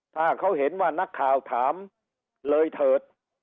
ถ้าเขาเห็นว่านักข่าวถามเลยเถิด